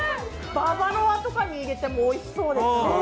ババロアとかに入れてもおいしそうですね。